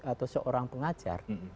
atau seorang pengajar